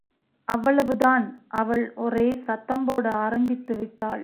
அவ்வளவுதான் அவள் ஒரே சத்தம் போட ஆரம்பித்துவிட்டாள்.